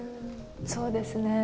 そうですね。